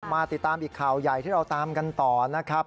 มาติดตามอีกข่าวใหญ่ที่เราตามกันต่อนะครับ